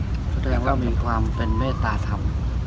ก็ดูแลรฟังว่ามีความเป็นเมฆตาธรรม